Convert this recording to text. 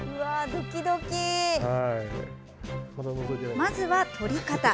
まずは撮り方。